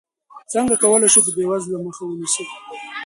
څنګه کولی شو د بېوزلۍ مخه ونیسو؟